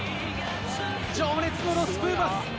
情熱のロス・プーマス。